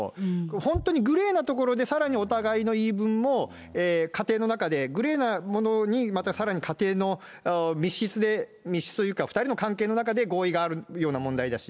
本当にグレーなところでさらにお互いの言い分も家庭の中でグレーなものにまたさらに家庭の密室で、密室というか、２人の関係の中で合意があるような問題だし。